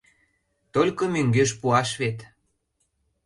Только мӧҥгеш пуаш вет.